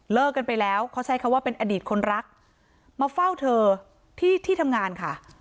กันไปแล้วเขาใช้คำว่าเป็นอดีตคนรักมาเฝ้าเธอที่ที่ทำงานค่ะ